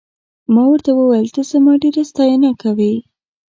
ما ورته وویل ته زما ډېره ستاینه کوې.